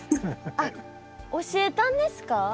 あっ教えたんですか？